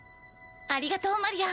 ありがとうマリア。